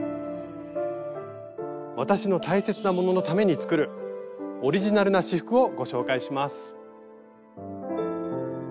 わたしの大切なもののために作るオリジナルな仕覆をご紹介します。